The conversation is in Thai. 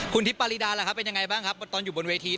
คุณทิพย์ปารีดาล่ะครับเป็นยังไงบ้างครับตอนอยู่บนเวที